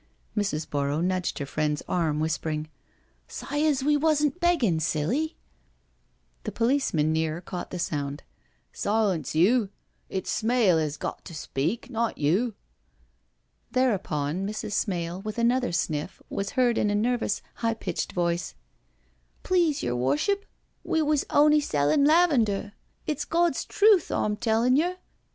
Mrs. Borrow nudged her friend's arm, whispering, " Sy as we wasn't begging Silly." The policeman near caught the sound. " Silence you — it's Smale 'as got to speak, not you." Thereupon, Mrs. Smale, with another sniff, was heard in a nervous, high pitched voice: " Please, yer Worship, we was on'y sellin' lavender, it's Gawd's truth arm tellin' yer.